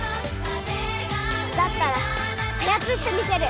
だったらあやつってみせる！